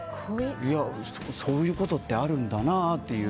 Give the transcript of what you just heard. そういうことってあるんだなと。